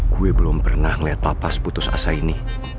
gue belum pernah melihat papa seputus asa ini